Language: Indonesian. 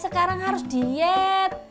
sekarang harus diet